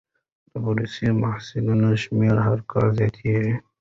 د بورسي محصلانو شمېر هر کال زیاتېږي.